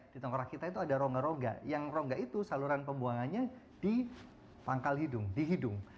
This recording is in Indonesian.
di tenggorak kita itu ada ronga ronga yang ronga itu saluran pembuangannya di pangkal hidung di hidung